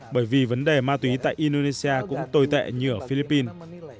bởi vì vấn đề ma túy tại indonesia cũng tồi tệ như ở philippines